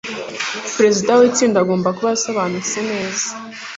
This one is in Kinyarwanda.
perezida w itsinda agomba kuba asobanukiwe neza